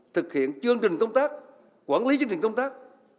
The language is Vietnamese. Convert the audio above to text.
thực hiện chương trình công tác quản lý chương trình công tác